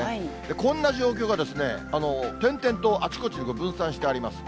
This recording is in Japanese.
こんな状況がですね、点々とあちこち分散してあります。